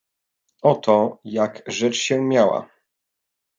"Oto jak rzecz się miała."